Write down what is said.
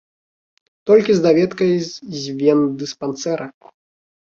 Толькі з даведкай з вендыспансэра!